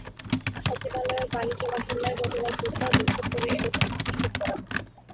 সচিবালয়ের বাণিজ্য মন্ত্রণালয়ে গতকাল বুধবার বৈঠক করে এ লক্ষ্যমাত্রা ঠিক করা হয়।